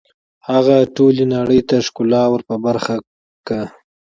هغه ټولې نړۍ ته ښکلا ور په برخه کړه